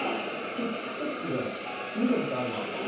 ＴｉｋＴｏｋで見たことあるんですよ。